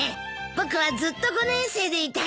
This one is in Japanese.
僕はずっと５年生でいたいよ。